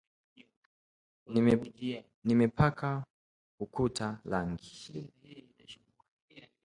Nimepaka ukuta rangi